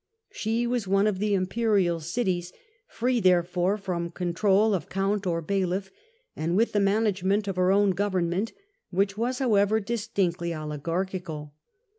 She was one of the Im perial cities, free therefore from control of count or bailiff, and with the management of her own govern ment, which was, however, distinctly oligarchical.